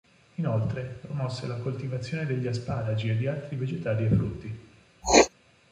Inoltre, promosse la coltivazione degli asparagi e di altri vegetali e frutti.